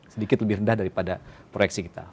sedikit lebih rendah daripada proyeksi kita